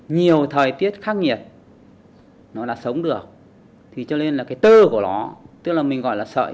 nhiều thời tiết khắc nghiệt nó là sống được thì cho nên là cái tơ của nó tức là mình gọi là sợi